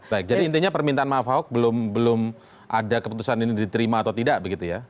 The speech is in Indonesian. baik jadi intinya permintaan maaf ahok belum ada keputusan ini diterima atau tidak begitu ya